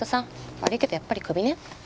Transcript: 悪いけどやっぱりクビね。